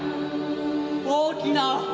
「大きな」。